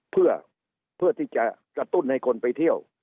เพื่อที่จะกระตุ้นให้คนไปเที่ยว